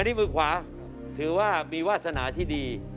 อันนี้มือขวาถือว่ามีวาสนาที่ดี